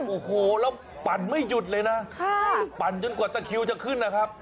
โอ้โหแล้วปั่นไม่หยุดเลยนะปั่นจนกว่าตะคิวจะขึ้นนะครับ